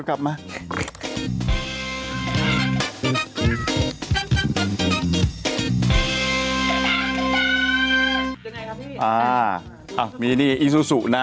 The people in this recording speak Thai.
อ่ามีนี้อิซูสูนะ